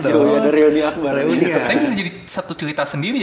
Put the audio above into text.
tapi bisa jadi satu cerita sendiri ya